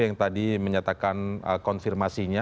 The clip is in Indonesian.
yang tadi menyatakan konfirmasinya